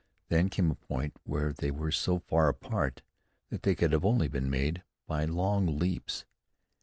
Then came a point where they were so far apart that they could only have been made by long leaps.